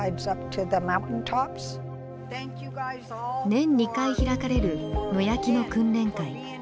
年２回開かれる野焼きの訓練会。